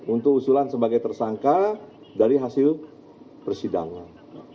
untuk usulan sebagai tersangka dari hasil persidangan